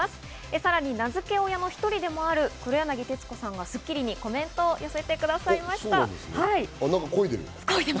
さらに名付け親の一人でもある黒柳徹子さんが『スッキリ』にコメントを寄せてくれました。